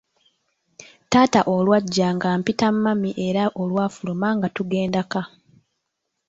Taata olwajja nga mpita mami era olwafuluma nga tugenda ka.